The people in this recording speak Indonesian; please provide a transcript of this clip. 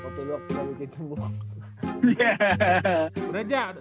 fotolog kita bikin kembung